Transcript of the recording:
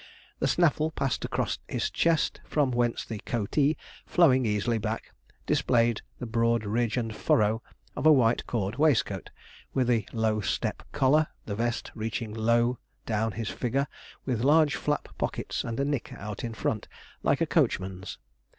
The snaffle passed across his chest, from whence the coatee, flowing easily back, displayed the broad ridge and furrow of a white cord waistcoat, with a low step collar, the vest reaching low down his figure, with large flap pockets and a nick out in front, like a coachman's.